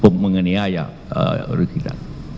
pemengeniaan yang rugi kita